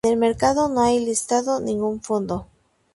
En el mercado no hay listado ningún fondo.